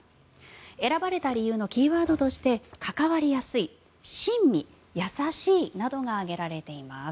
選ばれた理由のキーワードとして関わりやすい、親身優しいなどが挙げられています。